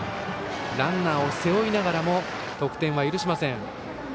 ランナーを背負いながらも得点は許しません。